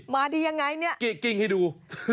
มาดียังไงเนี่ยกิ๊กกิ้งให้ดู